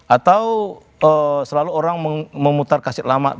atau selalu orang memutar kasid lama